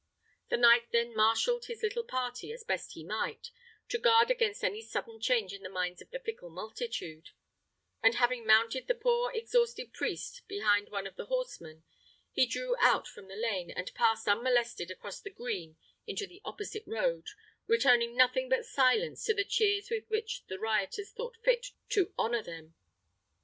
The knight then marshalled his little party as best he might, to guard against any sudden change in the minds of the fickle multitude; and having mounted the poor exhausted priest behind one of the horsemen, he drew out from the lane, and passed unmolested across the green into the opposite road, returning nothing but silence to the cheers with which the rioters thought fit to honour them.